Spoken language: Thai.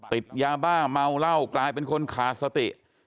ติดยาบ้าเมาเหล้ากลายเป็นคนขาดสติ